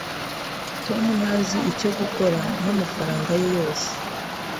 tom ntazi icyo gukora namafaranga ye yose